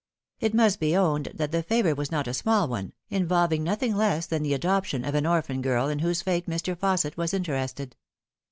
It must be owned that the favour was not a small one, involving nothing less than the adoption of an orphan girl in whose fate Mr. Fausset was interested.